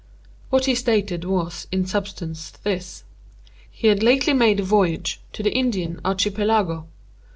What he stated was, in substance, this. He had lately made a voyage to the Indian Archipelago.